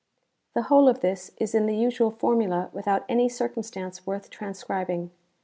{ (The whole of this is in the usual formula without any circumstance worth transcribing.